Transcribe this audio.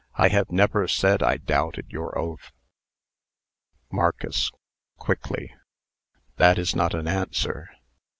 I have never said I doubted your oath." MARCUS (quickly). "That is not an answer.